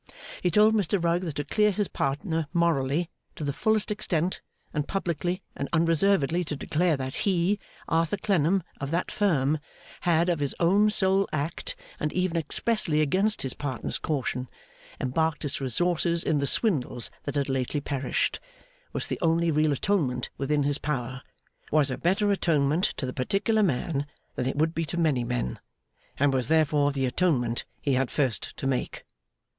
He told Mr Rugg that to clear his partner morally, to the fullest extent, and publicly and unreservedly to declare that he, Arthur Clennam, of that Firm, had of his own sole act, and even expressly against his partner's caution, embarked its resources in the swindles that had lately perished, was the only real atonement within his power; was a better atonement to the particular man than it would be to many men; and was therefore the atonement he had first to make.